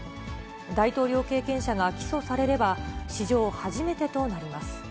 大統領経験者が起訴されれば、史上初めてとなります。